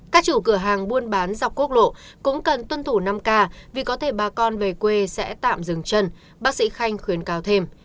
các chủ cửa hàng buôn bán dọc quốc lộ cũng cần tuân thủ năm k vì có thể bà con về quê sẽ tạm dừng chân bác sĩ khanh khuyến cao thêm